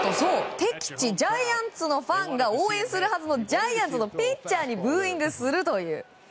敵地ジャイアンツのファンが応援するはずのジャイアンツのピッチャーにブーイングするという。